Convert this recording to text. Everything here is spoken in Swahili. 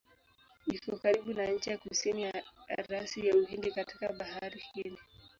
Iko karibu na ncha ya kusini ya rasi ya Uhindi katika Bahari Hindi.